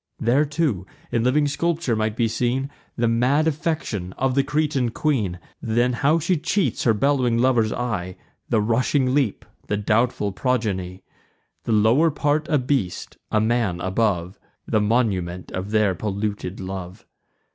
There too, in living sculpture, might be seen The mad affection of the Cretan queen; Then how she cheats her bellowing lover's eye; The rushing leap, the doubtful progeny, The lower part a beast, a man above, The monument of their polluted love.